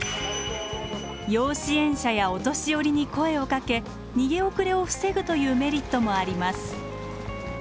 要支援者やお年寄りに声をかけ逃げ遅れを防ぐというメリットもあります。